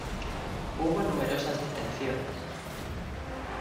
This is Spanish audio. Hubo numerosas detenciones.